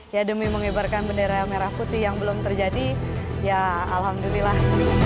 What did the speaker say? ya demi mengibarkan bendera merah putih yang belum terjadi ya alhamdulillah